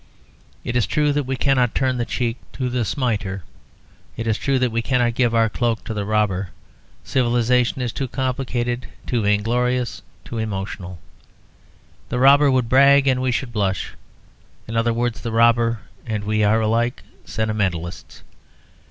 It is true that we cannot turn the cheek to the smiter; it is true that we cannot give our cloak to the robber; civilisation is too complicated, too vain glorious, too emotional. The robber would brag, and we should blush; in other words, the robber and we are alike sentimentalists.